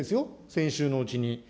先週のうちに。